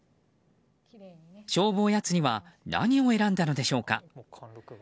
勝負おやつには何を選んだのでしょうか。